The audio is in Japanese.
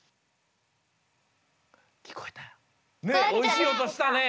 おいしい音したね。